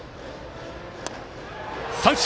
三振。